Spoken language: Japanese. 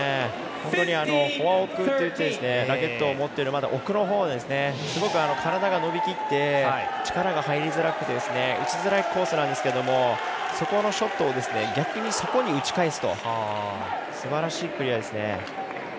本当にフォア奥ラケットを持っているまだ奥のほうで、すごく体が伸びきって、力が入りづらくて打ちづらいコースなんですけどそこのショットを逆にそこに打ち返すと。